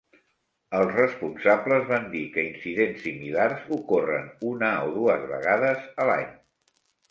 Els responsables van dir que incidents similars ocorren una o dues vegades a l'any.